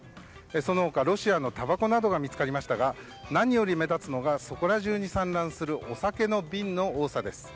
その他、ロシアのたばこなどが見つかりましたが何より目立つのはそこら辺に散乱するお酒の瓶の多さです。